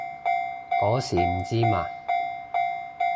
嗰時唔知嘛